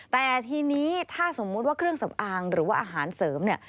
แต่ทีนี้ถ้าสมมุติว่าเครื่องสำอางหรือว่าอาหารเสริมเนี่ย